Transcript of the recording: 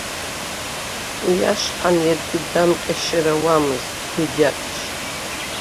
Уи ашҳам иаргьы дамҟьышьыр ауамызт, дагьаҟьашьт.